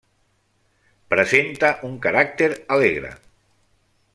Presenta un caràcter alegre.